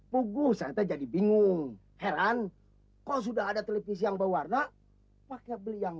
pugus aja jadi bingung heran kau sudah ada televisi yang berwarna pakai beli yang